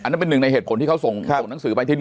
อันนั้นเป็นหนึ่งในเหตุผลที่เขาส่งหนังสือไป